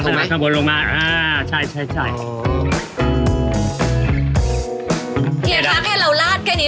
นะเป็นที่บนลุงมาอ่าใช่ใช่ใช่เหี่ยคะแค่เราลาดแค่นี้